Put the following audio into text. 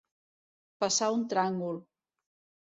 Passar un tràngol.